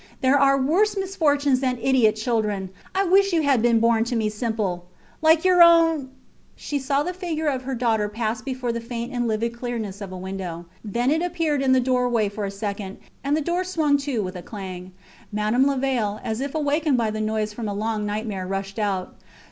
There are worse misfortunes than idiot children. I wish you had been born to me simple like your own. ... She saw the figure of her daughter pass before the faint and livid clearness of a window. Then it appeared in the doorway for a second, and the door swung to with a clang. Madame Levaille, as if awakened by the noise from a long nightmare, rushed out.